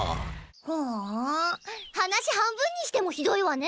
ふん話半分にしてもひどいわね。